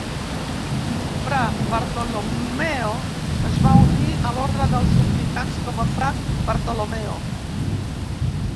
Fra Bartolommeo es va unir a l'ordre dels dominicans com a Fra Bartolomeo.